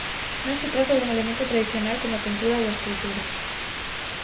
Non se trata dun elemento tradicional como a pintura ou a escultura.